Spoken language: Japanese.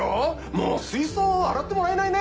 もう水槽洗ってもらえないね。